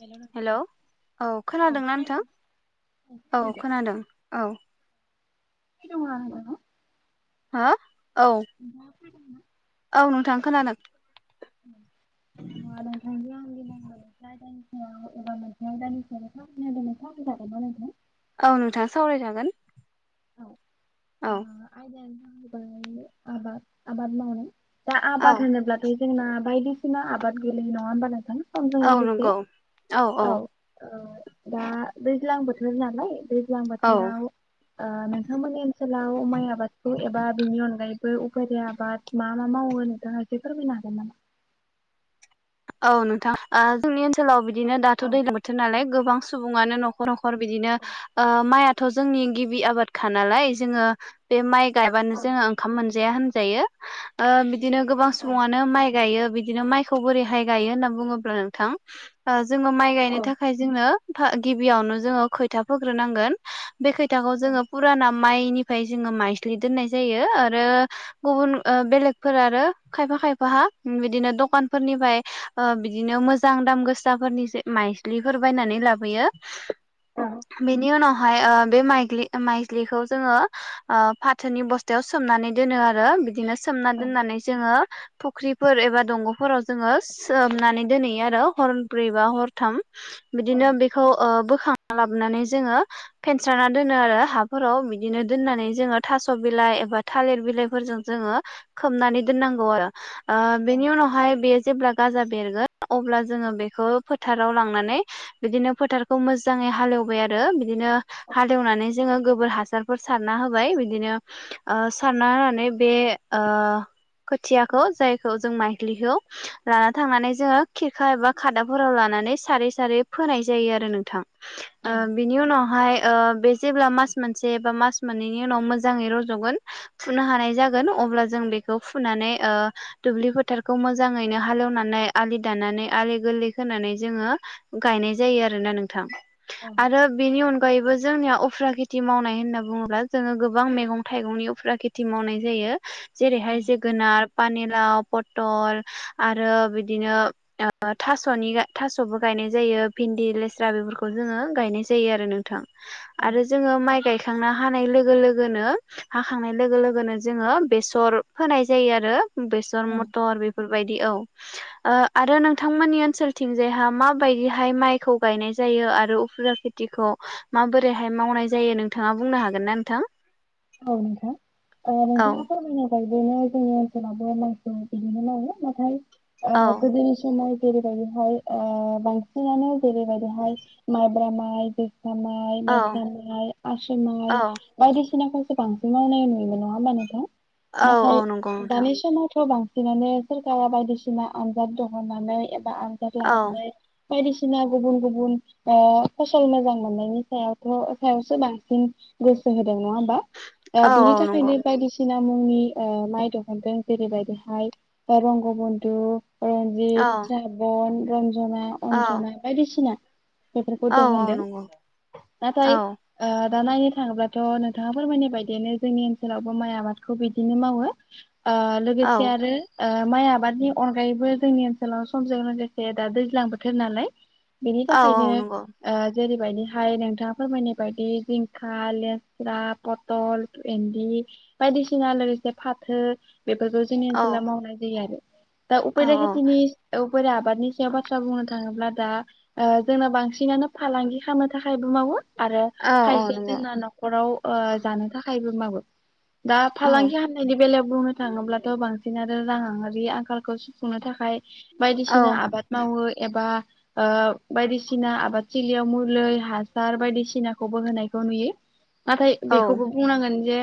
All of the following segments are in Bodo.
हेल' नोंथां हेलौ' औ औ खोनादोंना नोंथां खोनादों औ खोनादों औ [unintelligible] हो औ। नोंथांआ फ्रि दङो ना [inaudible] औ नोंथां खोनादों। नङा नोंथांजों आं दिनै मोनसे आइदानि [inaudible] एबार मोनसे आइदानि सावरायनायदोंमोन सावराय जागोन ना नोंथां औ नोंथाङा सावराय जागोन औ ओ आयदायानो जाहैबाय आबाद आबाद मावनाय दा औ आबाद होनोब्ला बे जोंना बायदिसिना आबाद गोलैयो नङा होमब नोंथां समजों औ लोगोसे नंगौ औ। औ दा दैज्लां बोथोर नालाय दैज्लां औ बोथोराव ओ नोंथांमोननि ओनसोलाव माइ आबादखौ एबा बिनि अनगायैबो उफारि आबाद मा मा मावो नोंथाङा एसे फोरमायनो हागोन नामा? औ नोंथां ओ जोंनि ओनसोलाव बिदिनो दाथ' औ दैजलां बोथोर नालाय गोबां सुबुङानो न'खर न'खर न'खर बिदिनो औ ओ माइआथ' जोंनि गिबि आबादखा नालाय जोङो बे माइ गायबानो औ जोङो ओंखाम मोनजाया होनजायो ओ बिदिनो गोबां सुबुङानो माइ गायो बिदिनो माइखौ बोरैहाय गायो होनना बुङोब्ला नोंथां ओ जोङो माइ औ गायनो थाखाय जोंङो फा-गिबियावनो जोङो खोथा फोग्रोनांगोन। बे खैथाखौ जोङो फुराना माइनिफ्राय जोङो माइज्लि दोननाय जायो आरो गुबुन ओ-बेलेगफोर आरो खायफा खायफाहा बिदिनो दखानफोरनिफ्राय ओ बिदिनो मोजां दाम गोसाफोरनि जे माइज्लिफोर बायनानै लाबोयो। औ बेनि उनावहाय ओ-बे माइग्लि। माइज्लिखौ जोङो ओ-फाथोनि बस्थायाव सोमनानै दोनो आरो बिदिनो। सोमना दोननानै जोङो फुख्रिफोर एबा दंग'फोराव जोङो। सोमनानै दोनहैयो आरो हरब्रै बा हरथाम बिदिनो बेखौ बोखां लाबनानै जोङो फेनस्राना दोनो आरो हाफोराव बिदिनो दोननानै जोङो थास' बिलाइ एबा थालिर बिलाइफोरजों जोङो खोबनानै दोननांगौ आरो बेनि उनावहाय बेयो जेब्ला गाजा बेरगोन अब्ला जोङो बेखौ फोथाराव लांनानै बिदिनो फोथारखौ मोजाङै हालेवबाय आरो बिदिनो हालेवनानै जोङो गोबोर हासारफोर सारना होबाय बिदिनो सारना होनानै बे ओ खोथियाखौ जायखौ जों माइग्लिखौ लाना थांनानै जोङो खिरखा एबा खादाफोराव लानानै सारै सारै फोनाय जायो आरो नोंथां। ओ-बिनि उनावहाय ओ-बे जेब्ला मास मोनसे बा मास मोननैनि उनाव मोजाङै रज'गोन। फुनो हानाय जागोन अब्ला जों बेखौ फुनानै ओ-दुब्लि फोथारखौ मोजाङै। नो हालेवनानै आलि दानानै आलि गोरलै खोनानै जोङो। गायनाय जायो आरोना नोंथां आरो बेनि अनगायैबो जोंनिया उफ्रा खेथि मावनाय होनना बुङोब्ला जोङो गोबां मैगं थाइगंनि उफ्रा खेथि मावनाय जायो। औ जेरैहाय जोगोनार पानिलाव पटल आरो बिदिनो। ओ-थास'नि थास'बो गायनाय जायो भिन्दि लेस्रा बेफोरखौ जोङो गायनाय जायो आरो नोंथां। औ आरो जोङो माइ गायखांना हानाय लोगो लोगोनो हाखांनाय लोगो लोगोनो जोङो बेसर फोनाय जायो आरो। बेसर औ मथर बेफोरबायदि औ। ओ-आरो नोंथांमोननि ओनसोलथिंजायहा माबायदिहाय माइखौ गायनाय जायो आरो उफ्रा खेथ थिखौ माबोरैहाय मावनाय जायो नोंथाङा बुंनो हागोन ना नोंथां? औ नोंथां। औ ओ-नोंथाङा फोरमायनाय बादिनो जोंनि ओनसोलावबो मायखौ बिदिनो मावो। नाथाय औ ओ-गोदोनि समाव जेरैबायदिहाय ओ-बांसिनानो जेरैबायदिहाय माइब्रा माइ। जोसा माइ औ मायसा माय आसु माइ औ बायदिसिनाखौ बांसिन मावनाय नुयोमोन नङा होमबा नोंथां? औ औ नाथाय नंगौ नोंथां दानि समावथ' बां नानो सोरखारा बायदिसिना आनजाद दं होनानै एबा आनजाद औ लानानै। बायदिसिना गुबुन-गुबुन ओ-फसल मोजां मोननायनि सायावथ' सायावसो बांसिन गोसो होदों नङा होमबा? दा औ बिनि औ नंगौ थाखायनो बायदिसि सिना मुंनि ओ-माइ दिहुनदों जेरैबायदिहाय रंग बन्धु। रनजित, औ राबन, रन्जना, औ अन्जना बायदिसिना। बेफोरखौ औ दं औ हनदों नंगौ नाथाय औ ओ-दा नायनो थाङोब्लाथ' नोंथाङा फोरमायनाय बायदिनो जोंनि ओनसोलावबो माइ आबादखौ बिदिनो मावो ओ-लोगोसे औ आरो ओ-माइ आबादनि अनगायैबो जोंनि ओनसोलाव समजों लोगोसे दा दैज्लां बोथोर नालाय। बेनि औ थाखायनो औ नंगौ ओ-जेरैबायदिहाय नोंथाङा फोरमायनाय बायदि जिंखा, लेस्रा, फथ थल इन्दि बायदिसिना लोगोसे फाथो बेफोरखौ जोंनि औ ओनसोलाव मावनाय जायो आरो। दा औ उफेरा खेथिनि औफोर आबादनि सायाव बाथ्रा बुंनो थाङोब्ला दा ओ-जोंना बांसिनानो फालांगि खालामनो थाखायबो मावो। आरो औ औ खायसे नंगौ जोंना न'खराव ओ-जानो थाखायबो मावो। दा औ फालांगि हान्नायनि बेलायाव बुंनो थाङोब्लाथ' बांसिन आरो रांङारि आंखालखौ सुफुंनो थाखाय औ बायदिसिना आबाद। मावो एबा। ओ बायदिसिना आबादथिलियाव मुलि हासार बायदिसिनाखौबो होनायखौ नुयो। नाथाय औ बेखौबो बुंनांगोन जे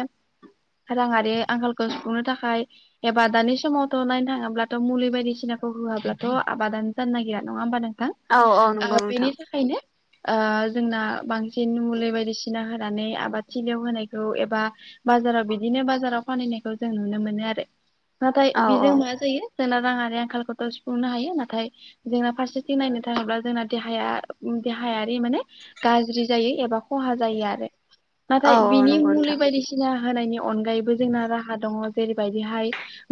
राङारि आंखालखौ सुफुंनो थाखाय। एबा दानि समावथ' नायनो थाङोब्लाथ' मुलि बायदिसिनाखौ होआब्लाथ' आबादानो जानो नागिरा नङा होमबा नोंथां? औ औ नंगौ नोंथां ओ-बिनि थाखायनो ओ-जोंना बांसिन मुलि बायदिसिना होनानै आबाद थिलियाव होनायखौ एबा बाजाराव बिदिनो बाजाराव फानहैनायखौ जों नुनो मोनो आरो। नाथाय औ बेजों औ मा जायो जोंना राङारि आंखालखौथ' सुफुंनो हायो नाथाय जोंना फारसेथिं नायनो थाङोब्ला जोंना देहाया देहायारि माने गाज्रि जायो एबा खहा जायो आरो। औ नाथाय औ बिनि नंगौ मुलि नोंथां बायदिसिना होनायनि अनगायैबो जोंना राहा दङ जेरैबायदिहाय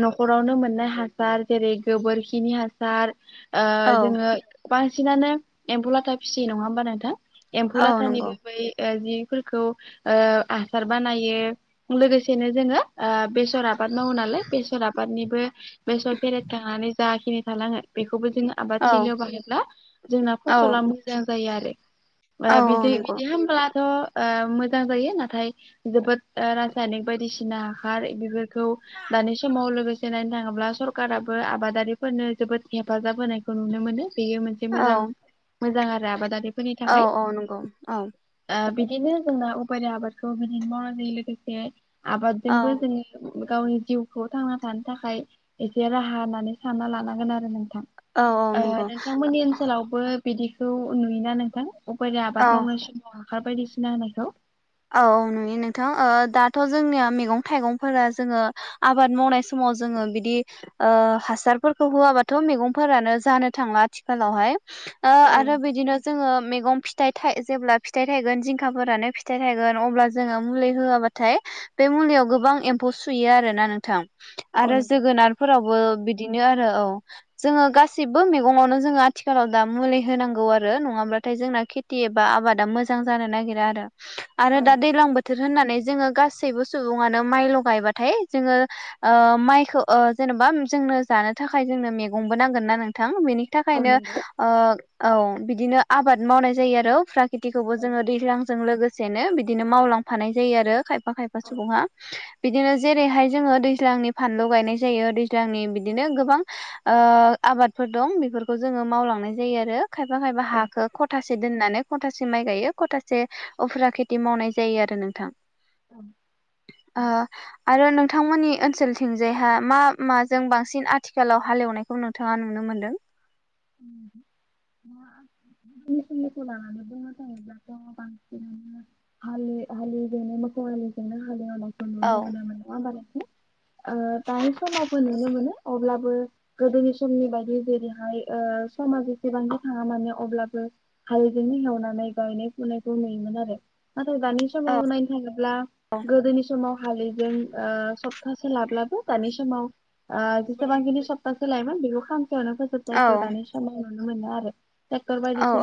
न'खरावनो मोननाय हासार जेरै गोबोरखिनि हासार। औ जोङो बांसिनानो एम्फु लाथा फिसियो नङा होमबा नोंथां? एम्फौ औ नंगौ लाथानिबो बै जिफोरखौ ओ हासार बानायो लोगोसेनो जोङो बे बेसर आबाद मावो नालाय बेसर आबादनिबो बेसर फेरेदखांनानै जाखिनि थालाङो। बेखौबो जोङो आबाद औ थिलियाव बाहायोब्ला जोंना औ फसला मोजां जायो आरो। औ औ बिदि नंगौ बिदि हब्लाथ' मो जां जायो नाथाय जोबोद ओ रासायनिक बायदिसिना हार बेफोरखौ दानि समाव लोगोसे नायनो थाङोब्ला सरखाराबो आबादारिफोरनो जोबोद हेफाजाब होनायखौ नुनो मोनो। बेयो मोनसे औ मोजां मोजां आरो आबादारि औ औ नंगौ औ। बिदिनो जोंना उफेरा आबादखौ बिदिनो मावनाय जायो लोगोसे आबादजोंबो जोंनि गावनि जिउखौ थांना थानो थाखाय एसे राहा होननानै सानना लानांगोन आरो नोंथां। औ औ ओ नंगौ नोंथांमोननि ओनसोलावबो बिदिखौ नुयोना नोंथां उफेरा औ आबाद मावनाय समाव हासार बायदिसिना होनायखौ। औ नुयो नोंथां दाथ' जोंनिया मैगं थाइगंफोरा जोङो आबाद मावनाय समाव जोङो बिदि हासारफोरखौ होआबाथ' मैगंफोरानो जानो थांला आथिखालावहाय। औ आरो बिदिनो जोङो मैगं फिथाइ जेब्ला फिथाइ थायगोन जिंखाफोरानो फिथाइ थागोन अब्ला जोङो मुलि होआबाथाय बे मुलियाव गोबां एम्फौ सुयो आरोना नोंथां औ आरो नंगौ जोगोनाद फोरावबो बिदिनो आरो औ। जोङो गासिबो मैगङावनो जोङो आथिखालाव दा मुलि होनांगौ आरो नङाब्लाथाय जोंना खेथि खेथि एबा आबादा मोजां जानो नागिरा आरो। आरो औ दा दैलां बोथोर होननानै जोङो गासैबो सुबुङानो माइल' गायबाथाय जोङो माइखौ जेन'बा जोंनो जानो थाखाय जोंनो मैगंबो नांगोन ना नोंथां बेनि औ थाखायनो नंगौ औ बिदिनो आबाद मावनाय जायो आरो उफ्रा खेटिखौबो औ जोङो दैज्लां जों लोगोसेनो बिदिनो मावलांफानाय जायो आरो खायफा खायफा औ सुबुङा। बिदिनो जेरैहाय जोङो दैज्लांनि फानलु गायनाय जायो दैज्लांनि बिदिनो गोबां। आबादफोर दं बेफोरखौ जोङो मावलांनाय जायो आरो। खायफा खायफा औ हाखौ खथासे दोननानै खथासे माइ गायो खथासे अफेरा खेथि मावनाय जायो आरो नोंथां। उम। ओ आरो नोंथांमोननि ओनसोलथिंजायहा मा माजों बांसिन आथिखालाव हालेवनायखौ खौ नोंथाङा नुनो मोन्दों? उम [inaudible] [inaudible] हालि-हालि जोनो मोखौआलि जोंनो हालेवनायखौ औ नुनो मोनोमोन नङा होमबा [unintelligible] ओ दानि समावबो नुनो मोनो अब्लाबो गोदोनि समनि बायदि जेरैहाय ओ समा जेसेबांबो थाङा मानो अब्लाबो हालजोंनो हेवनानै गायनाय फुनायखौ नुयोमोन आरो नाथाय दानि समाव नाय थाङोब्ला औ गोदोनि समाव हालिजों ओ सप्तासे लाब्लाबो दानि समाव जेसेबांखिनि सप्ताहसे लायोमोन बेखौ खानसेयावनो फोजोब औ जायाव दानि समाव नुनो मोनो आरो। टेक्टर औ बायदिसि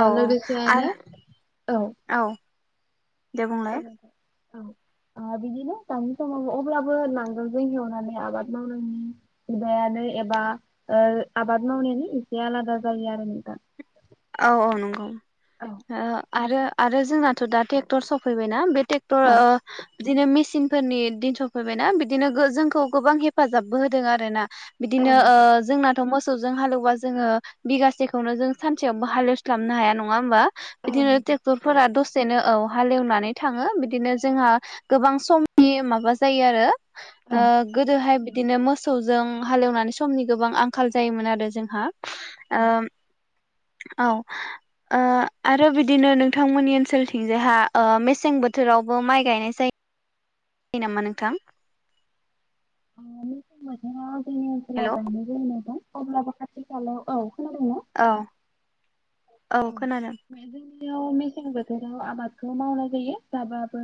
औ लोगोसेनो आरो औ दे औ बुंलाय। औ नोंथां ओ बिदिनो दानि समाव अब्लाबो नांगोलजों एवनानै आबाद मावनायनि मुगायानो एबा ओ आबाद मावनायानो एसे आलादा जायो आरो नोंथां। औ औ नंगौ औ ओ आरो आरो जोंनाथ' दा टेक्टर सफैबायना बे ट्रेक्टर ओ औ बिदिनो मेसिनफोरनि दिन सफैबायना बिदिनो गो जोंखौ गोबां हेफाजाबबो होदों आरोना। बिदिनो ओ नंगौ जोंनाथ' मोसौजों हालौबा जोङो बिगासेखौनो जों सान सेआवबो हालौस्लाबनो हाया नङा होमबा औ बिदिनो नंगौ टेक टरफोरा दसेनो औ हालेवनानै थाङो बिदिनो जोंहा गोबां समनि माबा जायो आरो ओ गोदोहाय बि दिनो मोसौजों हालेवनानै समनि गोबां आंखाल जायोमोन आरो जोंहा औ ओ औ। ओ आरो बिदिनो नोंथांमोननि ओनसोलथिंजायहा ओ मेसें बोथोरावबो माइ गायनाय जाय [inaudible] [unintelligible] नामा नोंथां? ओ मोसें बोथोराव जोंनि ओनसोलाव हेल' गायनाय जायनाय दं अब्लाबो खाथि खालायाव औ खोनादों ना? औ औ खोनादों। जोंनियाव मेसें बोथोराव आबादखौ मावनाय जायो जाबाबो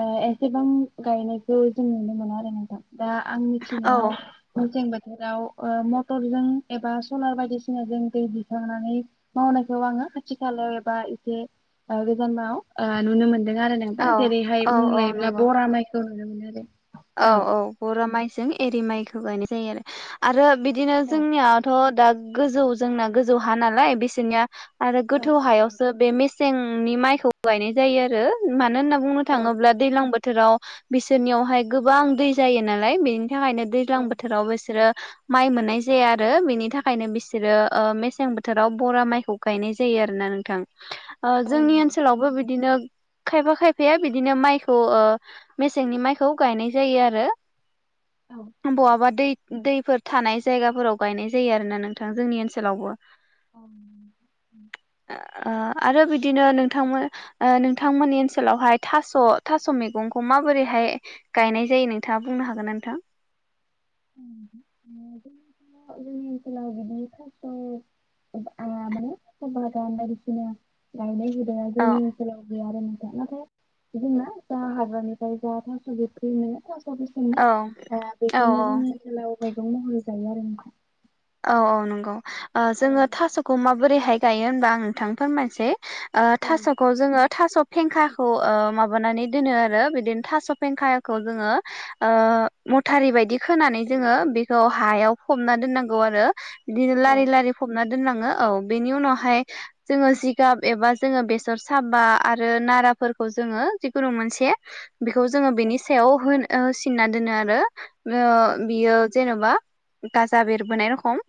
ओ एसेबां गायनायखौ जों नुनो मोना आरो नोंथां दा आं औ मिथिनायाव मेसें बोथोराव ओ मटरजों एबा सलार बायदिसिनाजों दै दैखांनानै मावनायखौ आङो खाथि खालायाव एबा एसे ओ गोजानाव ओ नुनो मोनदों आरोना औ एबा जेरैहाय औ मुं औ लायोब्ला नंगौ बरा माइखौ होनोमोन आरो। औ औ बरा माइजों एरि माइखौ गायनाय जायो आरो आरो बि बिदिनो औ जोंनियाथ' दा गोजौ जोंना गोजौ हा नालाय बिसोरनिया आरो औ गोथौ हायावसो बे मेसेंनि माइखौ गायनाय जायो आरो। मानो होनना बुंनो थाङोब्ला दैलां बोथोराव बिसोरनियावहाय गोबां दै जायो नालाय बेनि थाखायनो औ दैज्लां बोथोराव बिसोरो माइ मोननाय जाया आरो बिनि थाखायनो बिसोरो ओ‌ मेसें बोथोराव बरा माइखौ गायनाय जायो आरोना नोंथां। [inaudible] ओ जोंनि नंगौ ओनसोलावबो बिदिनो खायफा खायफाया बिदिनो माइखौ ओ मेसेंनि माइखौ गायनाय जायो आरो बहाबा दै दैफोर थानाय जायगाफोराव गायनाय जायो आरोना नोंथां जोंनि ओनसोलावबो। [inaudible] ओ आरो बिदिनो नोंथांमो ओ नोंथांमोननि ओनसोलावहाय थास'-थास' मैगंखौ माबोरैहाय गायनाय जायो नोंथाङा बुंनो हागोन ना नोंथां? [unintelligible] ओ जोंनि ओनसोलाव बिदि [unintelligible] बायदिसिना गायनाय हुदाया औ जोंनि सोलाव गैया आरो नोंथां नाथाय जोंना जा हाग्रानिफ्राय जाथास' बेथ्रि‌ ओ थास स' गोसोमनि औ दा औ बेखौनो जोंनि ओनसोलाव मैगं महरै जायो आरो [unintelligible] औ औ नंगौ ओ आरो जोङो थास'खौ माबोरैहाय गायो होनबा आं नोंथांनो फोरमायसै ओ थास'खौ जोङो थास' फेंखाखौ ओ माबानानै दोनो आरो बिदिनो थास' फेंखायाखौ जोङो ओ मथारि बायदि खोनानै जोङो बेखौ हायाव फबना दोननां गौ आरो बिदिनो लारि लारि फबना दोनलाङो औ बेनि उनावहाय जोङो जिगाब एबा जोङो बेसर साबा आरो नाराफोरखौ जोङो जिखुनु मोनसे बेखौ जोङो बेनि सायाव होन-होसिनना दोनो आरो उम बियो जेन'बा गाजा बेरबोनाय रखम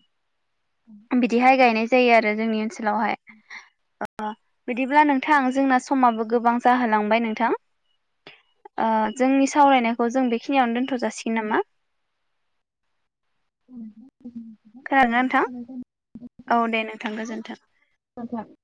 बिदिहाय गायनाय जायो आरो जोंनि ओनसोलावहाय। [inaudible] अ बिदिब्ला नोंथां जोंना समाबो गोबां जाहोलांबाय नोंथां। आ जोंनि सावरायनायखौ जों बेखिनियावनो दोनथ' जासिगोन नामा? [inaudible] खोनादोंना नोंथां औ दे नोंथां गोजोन्थों [unintelligible]